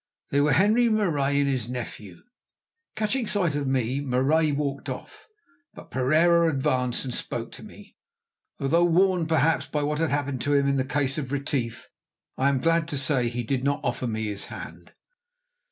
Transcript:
They were Henri Marais and his nephew. Catching sight of me, Marais walked off, but Pereira advanced and spoke to me, although, warned perhaps by what had happened to him in the case of Retief, I am glad to say he did not offer me his hand.